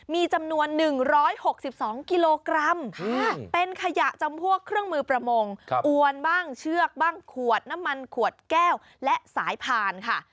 มีจำนวน๑๖๒กิโลกรัมเป็นขยะจำพวกเครื่องมือประมงอวนบ้างเชือกบ้างขวดน้ำมันขวดแก้วและสายผ่านค่ะ